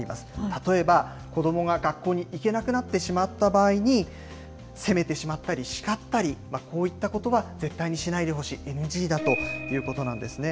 例えば、子どもが学校に行けなくなってしまった場合に、責めてしまったり、叱ったり、こういったことは絶対にしないでほしい、ＮＧだということなんですね。